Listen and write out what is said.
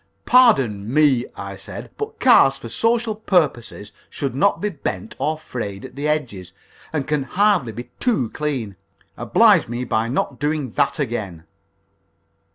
"Pardon me," I said, "but cards for social purposes should not be bent or frayed at the edge, and can hardly be too clean. Oblige me by not doing that again!"